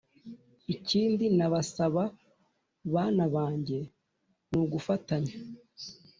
ikindi nabasaba bana bange ni ugufatanya